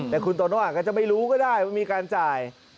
แต่คุณโตโน่อาจจะไม่รู้ก็ได้ว่ามีการจ่าย